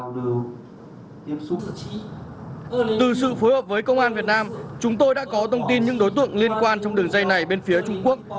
từ sự phối hợp với công an việt nam chúng tôi đã có thông tin những đối tượng liên quan trong đường dây này bên phía trung quốc